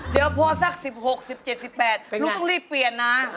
เดี๋ยวพอสัก๑๖๑๗๑๘ลูกต้องรีบเปลี่ยนนะ